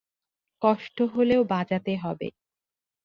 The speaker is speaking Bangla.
কষ্ট হলেও বাজাতে হবে।